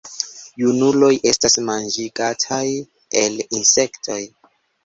Junuloj estas manĝigataj el insektoj.